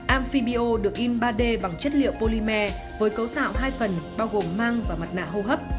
amfibio được in ba d bằng chất liệu polymer với cấu tạo hai phần bao gồm mang và mặt nạ hô hấp